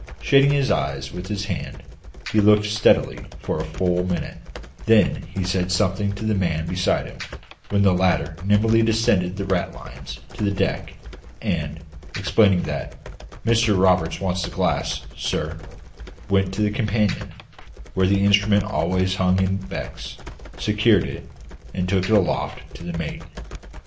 Shading his eyes with his hand, he looked steadily for a full minute; then he said something to the man beside him, when the latter nimbly descended the ratlines to the deck, and, explaining that "Mr Roberts wants the glass, sir," went to the companion, where the instrument always hung in beckets, secured it, and took it aloft to the mate.